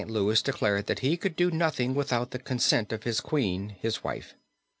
Louis declared that he could do nothing without the consent of his queen, his wife.